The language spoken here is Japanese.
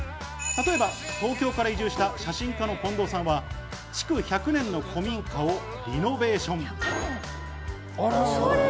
例えば、東京から移住した写真家のこんどうさんは築１００年の古民家をリノベーション。